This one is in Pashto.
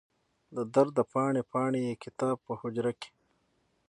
له درده پاڼې، پاڼې یې کتاب په حجره کې